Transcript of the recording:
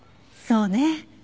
そうね。